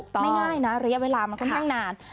ไม่ง่ายนะระยะเวลามันค่อนข้างนาน